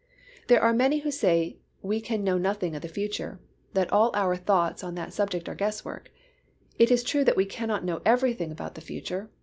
There are many who say we can know nothing of the future, that all our thoughts on that subject are guesswork. It is true that we cannot know everything about the future.